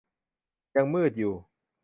ยังมืดอยู่